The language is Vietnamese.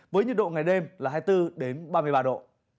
với nhiệt độ ngày đêm là hai mươi bốn ba mươi ba độ